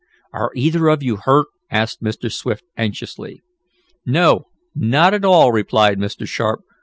"Are either of you hurt?" asked Mr. Swift anxiously. "No, not at all," replied Mr. Sharp.